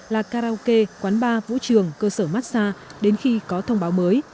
là karaoke quán bar vũ trường cơ sở massage đến khi có thông báo mới